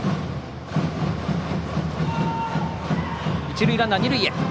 一塁ランナー、二塁へ！